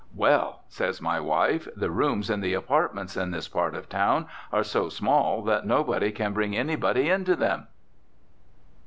"Well," says my wife, "the rooms in the apartments in this part of town are so small that nobody can bring anybody into them."